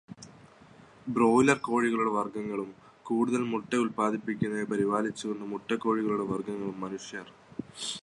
Broiler കോഴികളുടെ വർഗങ്ങളും, കൂടുതൽ മുട്ടയുത്പാദിപ്പിക്കുന്നവയെ പരിപാലിച്ചു കൊണ്ട് മുട്ടക്കോഴികളുടെ വർഗങ്ങളും മനുഷ്യർ സൃഷ്ടിക്കുകയാണുണ്ടായത്.